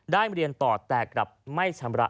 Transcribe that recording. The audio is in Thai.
ได้เรียนต่อแต่กลับไม่ชำระ